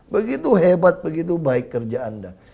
begitu hebat begitu baik kerja anda